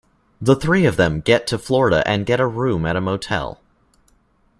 The three of them get to Florida and get a room at a motel.